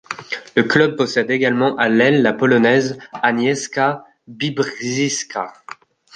Le club possède également à l'aile la Polonaise Agnieszka Bibrzycka.